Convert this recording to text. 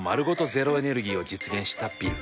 ゼロエネルギーを実現したビル。